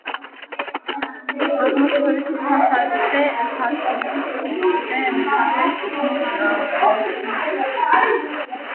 აღმოსავლეთის ფასადზე, სარკმლის ორივე მხარეს დიდი ნიშებია.